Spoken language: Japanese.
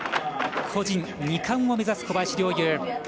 個人２冠を目指す小林陵侑。